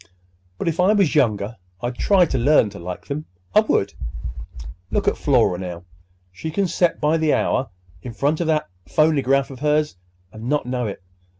But if I was younger I'd try to learn to like 'em. I would! Look at Flora, now. She can set by the hour in front of that phonygraph of hers, and not know it!"